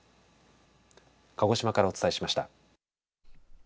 鹿児島からお伝えしました。